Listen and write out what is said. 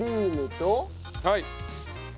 はい。